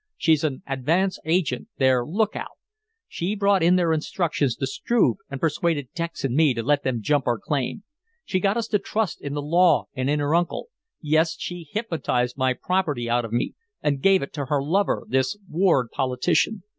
She's an advance agent their lookout. She brought in their instructions to Struve and persuaded Dex and me to let them jump our claim. She got us to trust in the law and in her uncle. Yes, she hypnotized my property out of me and gave it to her lover, this ward politician.